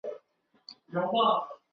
故治在今四川省大竹县东南。